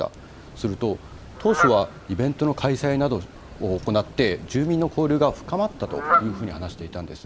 すると、当初はイベントの開催などを行って住民の交流が深まったというふうに話していたんです。